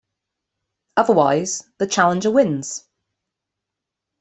Otherwise, the challenger wins.